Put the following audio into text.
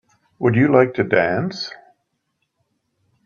Would you like to dance?